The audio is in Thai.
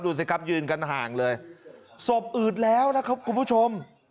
ดูสิครับยืนกันห่างเลยศพอืดแล้วนะครับคุณผู้ชม